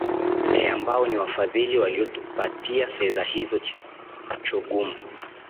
e ambao niwafadhili waliotupatia pesa hizo cha chogum